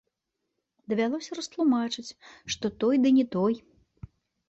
Давялося растлумачыць, што той, ды не той.